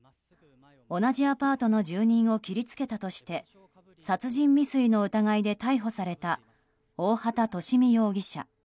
同じアパートの住民を切りつけたとして殺人未遂の疑いで逮捕された、大畑利美容疑者。